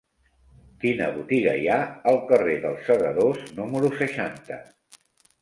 Quina botiga hi ha al carrer dels Segadors número seixanta?